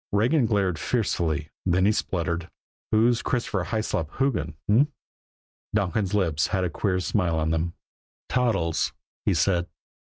Regan glared fiercely then he spluttered: "Who's Christopher Hyslop Hoogan h'm?" Donkin's lips had a queer smile on them. "Toddles," he said.